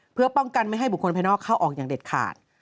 เพื่อป้องกันไม่ให้บุคคลภายนอกเข้าออกอย่างเด็ดขาด